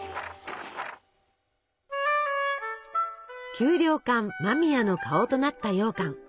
給糧艦間宮の顔となったようかん。